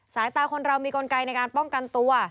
สายตาคนเรามีกลไกในการป้องกันตัว